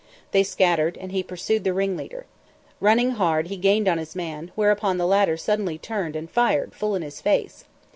They scattered and he pursued the ringleader. Running hard, he gained on his man, whereupon the latter suddenly turned and fired full in his face.